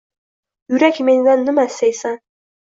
Yurak, mendan nima istaysan?!